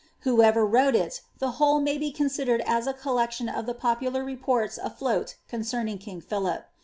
Whoever wrote it, the whole may be considered M a collection of the popular reports afloat concerning king Philip.